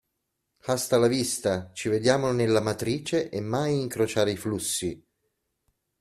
Hasta la vista, ci vediamo nella matrice e mai incrociare i flussi!